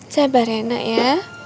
sabar ya nak ya